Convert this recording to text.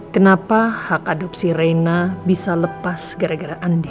kenapa hak adopsi reina bisa lepas gara gara andi